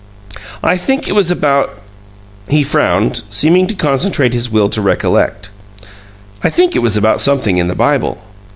"I think it was about " He frowned, seeming to concentrate his will to recollect. "I think it was about something in the Bible."